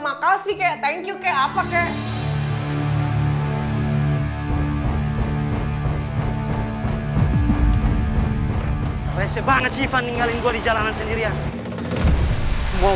makasih kayak thank you kayak apa kayak banget sih iva ninggalin gue di jalanan sendirian mau